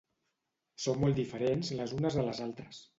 són molt diferents les unes de les altres